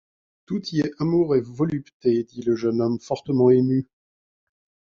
Tout y est amour et volupté, dit le jeune homme fortement ému.